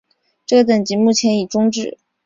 这个等级目前已终止。